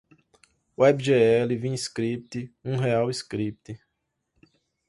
webgl, vim script, unrealscript